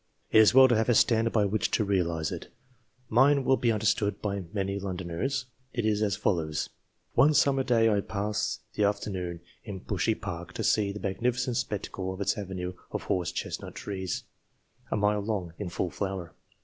It is well to have a standard by which to realize it. Mine 10 CLASSIFICATION OF MEN will be understood by many Londoners ; it is as follows : One summer day I passed the afternoon in Bushey Park to see the magnificent spectacle of its avenue of horse chestnut trees, a mile long, in full flower.